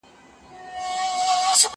زه به سندري اورېدلي وي؟!